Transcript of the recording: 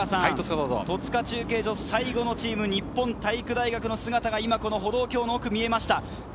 戸塚中継所最後のチーム、日本体育大学の姿が歩道橋の奥に見えました。